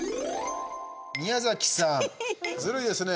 宮崎さん、ずるいですね。